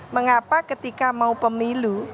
mengapa ketika mau pemilu